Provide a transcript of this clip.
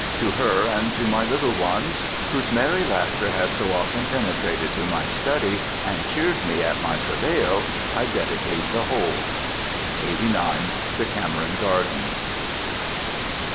To her, and to my little ones, whose merry laughter has so often penetrated to my study and cheered me at my travail, I dedicate the whole. 89, Decameron Gardens.